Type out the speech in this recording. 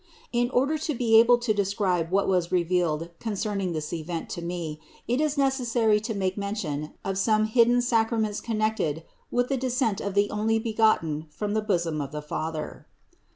In order to be able to describe what was revealed concerning this event to me, it is necessary to make men tion of some hidden sacraments connected with the de scent of the Onlybegotten from the bosom of the Fa ther.